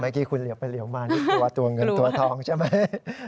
เมื่อกี้คุณเหลียวไปเหลียวมานี่กลัวตัวเงินตัวทองใช่ไหม